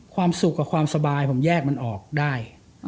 ความสุขกับความสบายผมแยกมันออกได้